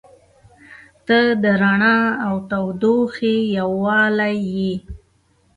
• ته د رڼا او تودوخې یووالی یې.